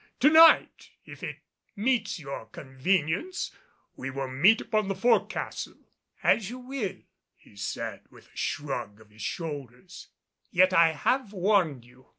To night, if it meets your convenience we will meet upon the fore castle." "As you will," he said with a shrug of his shoulders, "yet I have warned you.